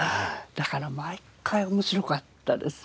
だから毎回面白かったですね。